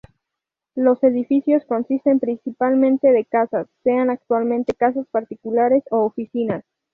Los edificios consisten principalmente de casas, sean actualmente casas particulares u oficinas.